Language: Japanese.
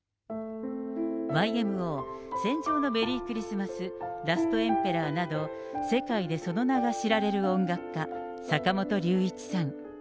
ＹＭＯ、戦場のメリークリスマス、ラスト・エンペラーなど世界でその名が知られる音楽家、坂本龍一さん。